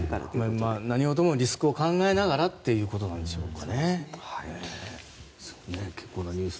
何事もリスクを考えながらということでしょうかね。